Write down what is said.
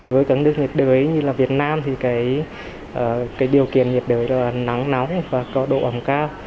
với các nước nhiệt đới như là việt nam thì cái điều kiện nhiệt đới nắng nóng và có độ ẩm cao